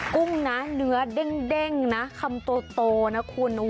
กุ้งนะเนื้อเด้งนะคำโตนะคุณ